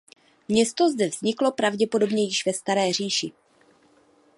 Město zde vzniklo pravděpodobně již ve Staré říši.